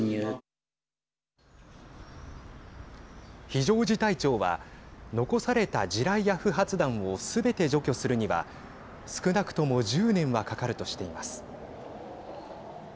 非常事態庁は残された地雷や不発弾をすべて除去するには少なくとも１０年はかかるとしています。